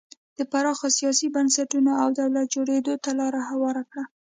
د پراخو سیاسي بنسټونو او دولت جوړېدو ته لار هواره کړه.